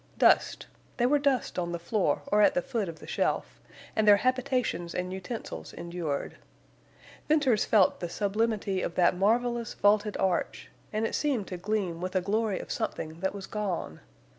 Dust! They were dust on the floor or at the foot of the shelf, and their habitations and utensils endured. Venters felt the sublimity of that marvelous vaulted arch, and it seemed to gleam with a glory of something that was gone.